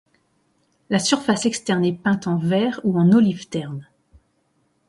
La surface externe est peinte en vert ou en olive terne.